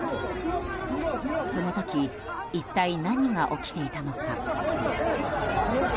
この時一体何が起きていたのか。